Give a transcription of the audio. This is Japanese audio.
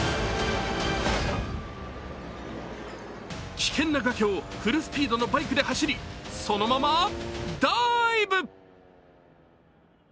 危険な崖をフルスピードのバイクで走り、そのままダイブ！